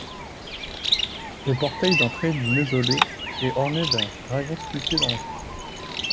Le portail d'entrée du mausolée est ornée d'un dragon sculpté dans la pierre.